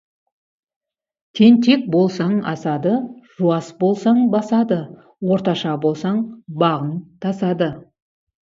Тентек болсаң, асады, жуас болсаң, басады, орташа болсаң, бағың тасады.